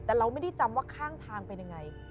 แต่เราไม่ได้จำว่าข้างทางเป็นยังไง